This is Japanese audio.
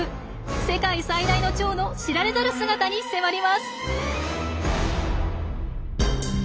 世界最大のチョウの知られざる姿に迫ります！